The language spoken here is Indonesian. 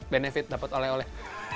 benefit dapet oleh oleh